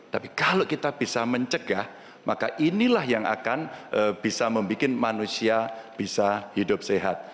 tapi kalau kita bisa mencegah maka inilah yang akan bisa membuat manusia bisa hidup sehat